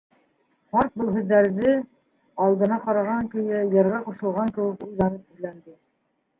Ҡарт был һүҙҙәрҙе алдына ҡараған көйө, йырға ҡушылған кеүек, уйланып һөйләнде.